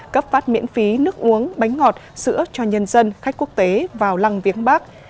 cấp phát miễn phí nước uống bánh ngọt sữa cho nhân dân khách quốc tế vào lăng viếng bắc